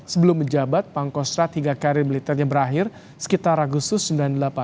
sebelum menjabat pangkosrat hingga karir militernya berakhir sekitar agus sub sembilan puluh delapan